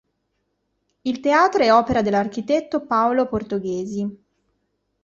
Il teatro è opera dell'architetto Paolo Portoghesi.